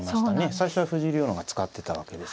最初は藤井竜王の方が使ってたわけですが。